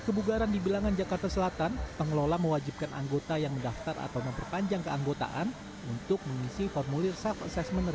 kalau menurut saya sih untuk saat ini sih protokol kesehatan sudah cukup bagus ya